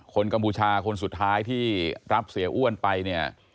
กัมพูชาคนสุดท้ายที่รับเสียอ้วนไปเนี่ย